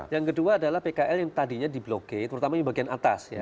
yang kedua adalah pkl yang tadinya di blok g terutama di bagian atas ya